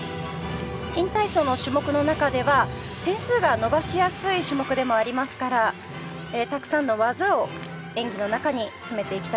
新体操の種目の中では点数が伸ばしやすい種目でもありますからたくさんの技を演技の中に詰めていきたいですね。